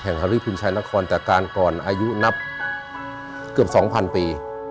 แห่งฮาริพุทธชายนครจากการก่อนอายุนับเกือบ๒๐๐๐ปี